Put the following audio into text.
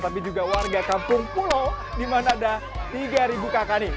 tapi juga warga kampung pulau di mana ada tiga kakakni